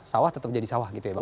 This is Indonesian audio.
sawah tetap jadi sawah gitu ya bang